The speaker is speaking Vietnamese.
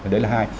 đấy là hai